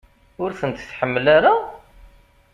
Ur tent-tḥemmel ara?